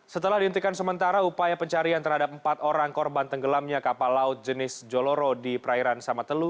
setelah dihentikan sementara upaya pencarian terhadap empat orang korban tenggelamnya kapal laut jenis joloro di perairan samatelu